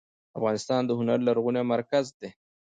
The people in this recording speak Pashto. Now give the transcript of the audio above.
افغانستان د هنر لرغونی مرکز و.